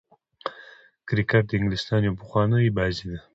کرکټ د انګلستان يوه پخوانۍ بازي ده.